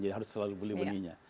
jadi harus selalu beli belinya